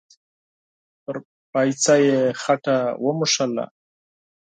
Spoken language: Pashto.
پر پايڅه يې خټه و موښله.